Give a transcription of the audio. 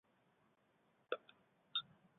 无茎粟米草为番杏科粟米草属下的一个种。